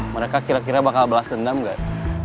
mereka kira kira bakal belas dendam gak